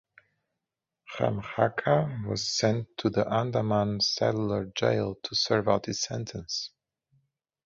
Ram Rakha was sent to the Andaman Cellular Jail to serve out his sentence.